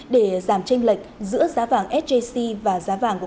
để giảm tranh lệch giữa giá vàng sjc và giá vàng